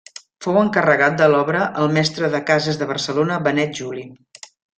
Fou encarregat de l'obra el mestre de cases de Barcelona Benet Juli.